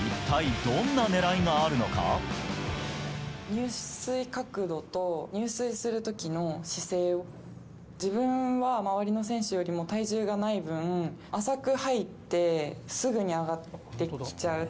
入水角度と入水するときの姿勢を、自分は周りの選手よりも体重がない分、浅く入ってすぐに上がってきちゃう。